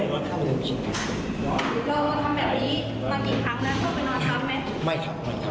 ตอนกี่ครับนะควรไปนอนท่าเรือไหมไม่ครับไม่ครับ